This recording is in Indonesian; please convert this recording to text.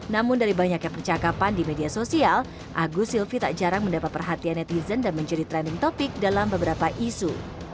namun dari banyaknya percakapan di media sosial agus silvi tak jarang mendapat perhatian netizen dan menjadi trending topic dalam beberapa isu